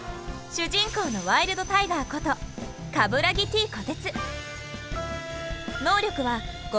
主人公のワイルドタイガーこと鏑木・Ｔ・虎徹。